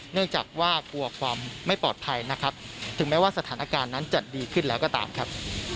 เนื่องจากว่ากลัวความไม่ปลอดภัยนะครับถึงแม้ว่าสถานการณ์นั้นจะดีขึ้นแล้วก็ตามครับ